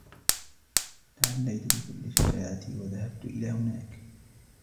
تحليت بكل شجاعتي و ذهبت إلى هناك.